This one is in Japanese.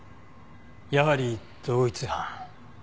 やはり同一犯。